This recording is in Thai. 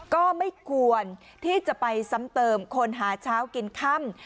ก็ไม่ควรที่จะไปซ้ำเติมคนหาเช้ากินค่ำ